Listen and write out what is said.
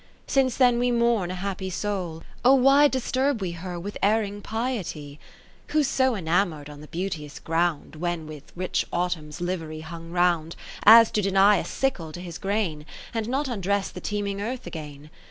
Since then we moufn a happy soul, O why Disturb we her with ferring piety ? Who 's so enamour'd on the beau teous ground, When with rich autumn's livery hung round, 20 As to deny a sickle to his grain. And not undress the teeming Earth again